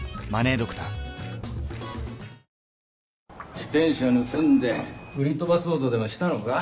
自転車盗んで売り飛ばそうとでもしたのか？